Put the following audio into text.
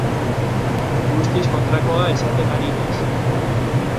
Guztiz kontrakoa esaten ari naiz.